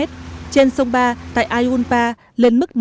trên sông ba tại ai un pa lên mức một trăm năm mươi tám m